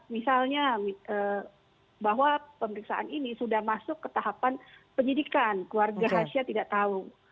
misalnya bahwa pemeriksaan ini sudah masuk ke tahapan penyidikan keluarga hasyah tidak tahu